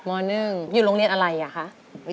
๑อยู่โรงเรียนอะไรอ่ะคะ